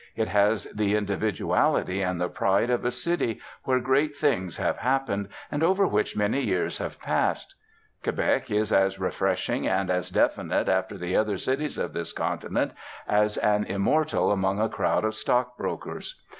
It has the individuality and the pride of a city where great things have happened, and over which many years have passed. Quebec is as refreshing and as definite after the other cities of this continent as an immortal among a crowd of stockbrokers.